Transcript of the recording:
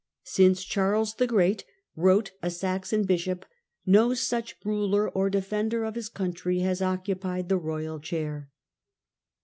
" Since Charles the Great," wrote a Saxon bishop, " no such ruler or defender of his country has occupied the royal chair."